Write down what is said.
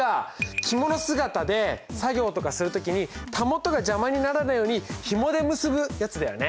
着物姿で作業とかする時に袂が邪魔にならないようにヒモで結ぶやつだよね。